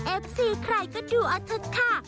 เอฟซีใครก็ดูอาทิตย์ค่ะ